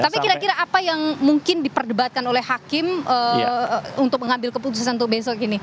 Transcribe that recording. tapi kira kira apa yang mungkin diperdebatkan oleh hakim untuk mengambil keputusan untuk besok ini